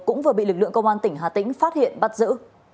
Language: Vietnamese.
cũng vừa bị lực lượng công an tỉnh hà tĩnh phát hiện bắt giữ